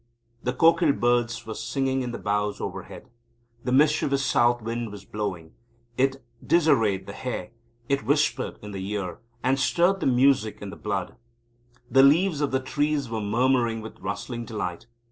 The Kokil birds were singing in the boughs overhead. The mischievous South wind was blowing; it disarrayed the hair, it whispered in the ear, and stirred the music in the blood. The leaves of the trees were murmuring with rustling delight.